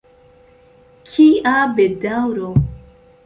Kia bedaŭro!